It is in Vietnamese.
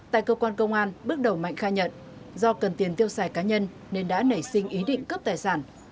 tại cơ quan công an bước đầu mạnh khai nhận do cần tiền tiêu xài cá nhân nên đã nảy sinh ý định cướp tài sản